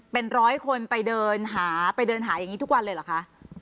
เป็นร้อยคนไปเดินหาไปเดินหาอย่างนี้ทุกวันเลยเหรอคะ